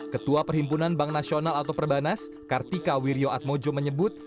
ketua perhimpunan bank nasional atau perbanas kartika wirjoatmojo menyebut